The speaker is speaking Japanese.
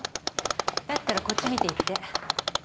だったらこっち見て言って。